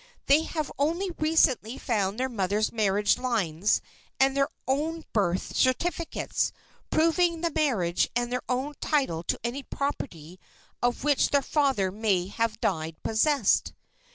They have only recently found their mother's marriage lines and their own birth certificates, proving the marriage and their own title to any property of which their father may have died possessed.